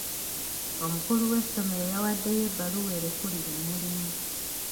Omukulu w'essomero yawaddeyo ebbaluwa erekulira omulimu.